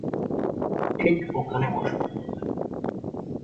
ঠিক ওখানে বসো।